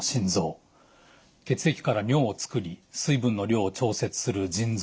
血液から尿を作り水分の量を調節する腎臓。